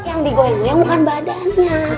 yang digoyang bukan badannya